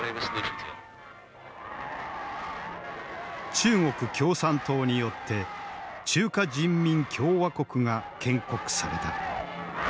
中国共産党によって中華人民共和国が建国された。